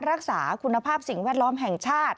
รักษาคุณภาพสิ่งแวดล้อมแห่งชาติ